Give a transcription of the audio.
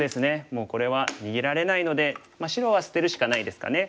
もうこれは逃げられないので白は捨てるしかないですかね。